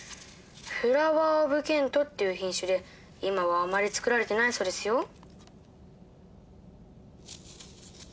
「フラワー・オブ・ケント」という品種で今はあまり作られてないそうですよ。